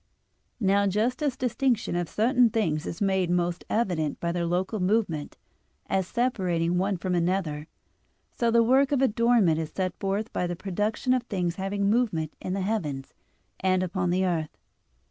Now just as distinction of certain things is made most evident by their local movement, as separating one from another; so the work of adornment is set forth by the production of things having movement in the heavens, and upon the earth.